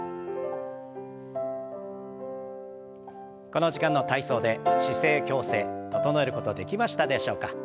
この時間の体操で姿勢矯正整えることできましたでしょうか？